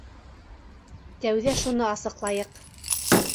Тәүҙә шуны асыҡлайыҡ.